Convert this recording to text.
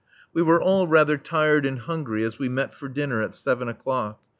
We were all rather tired and hungry as we met for dinner at seven o'clock.